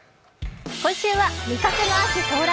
今週は、味覚の秋到来！